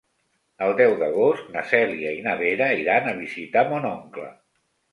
El deu d'agost na Cèlia i na Vera iran a visitar mon oncle.